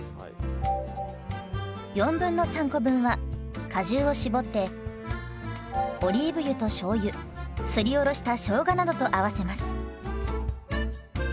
3/4コ分は果汁を搾ってオリーブ油としょうゆすりおろしたしょうがなどと合わせます。